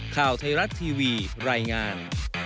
ข่าวไทยรัฐทีวีรายงาน